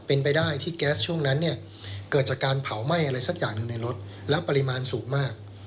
เป็นไปได้ที่แก๊สช่วงนั้นเนี่ยเกิดจากการเผาไหม้อะไรสักอย่างหนึ่งในรถแล้วปริมาณสูงมาก